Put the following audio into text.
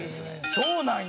そうなんや！